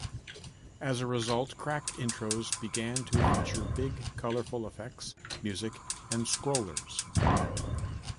As a result, crack intros began to feature big colourful effects, music, and scrollers.